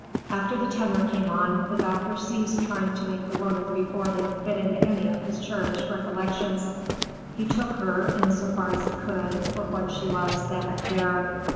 After the tenor came on, the doctor ceased trying to make the woman before him fit into any of his cherished recollections. He took her, in so far as he could, for what she was then and there.